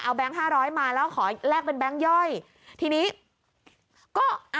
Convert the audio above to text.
แก๊งห้าร้อยมาแล้วขอแลกเป็นแบงค์ย่อยทีนี้ก็อ่ะ